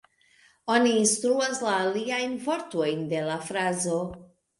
Oni instruas la aliajn vortojn de la frazo.